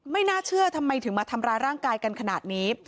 น่าเชื่อทำไมถึงมาทำร้ายร่างกายกันขนาดนี้